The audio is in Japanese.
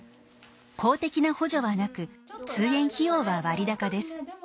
公的な補助はなく通園費用は割高です。